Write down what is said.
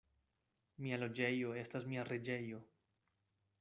Mia loĝejo estas mia reĝejo.